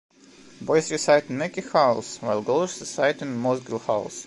Boys reside in Mackie House, while girls reside in Mossgiel House.